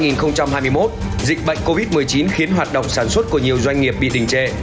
năm hai nghìn hai mươi một dịch bệnh covid một mươi chín khiến hoạt động sản xuất của nhiều doanh nghiệp bị đình trệ